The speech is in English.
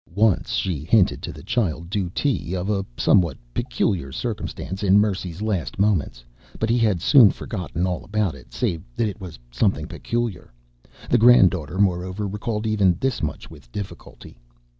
Once she hinted to the child Dutee of a somewhat peculiar circumstance in Mercy's last moments, but he had soon forgotten all about it save that it was something peculiar. The granddaughter, moreover, recalled even this much with difficulty.